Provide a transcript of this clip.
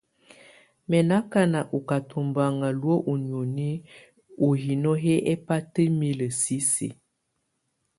Mɛ̀ nɔ akana ɔ́ ká tubaŋa luǝ̀ ú nioni ú hino hɛ nɛbataimilǝ sisiǝ.